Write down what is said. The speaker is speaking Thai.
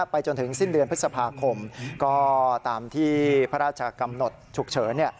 จนถึงสิ้นเดือนพฤษภาคมก็ตามที่พระราชกำหนดฉุกเฉิน